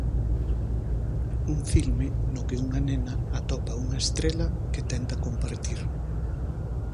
Un filme no que unha nena atopa unha estrela que tenta compartir.